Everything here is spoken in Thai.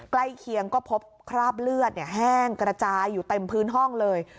เคียงก็พบคราบเลือดแห้งกระจายอยู่เต็มพื้นห้องเลย